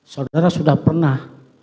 saudara sudah pernah